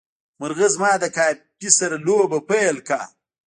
مرغه زما د کافي سره لوبه پیل کړه.